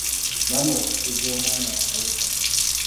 Maama okusiiga omwana akawuka.